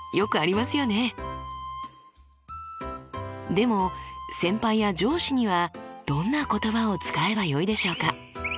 でも先輩や上司にはどんな言葉を使えばよいでしょうか？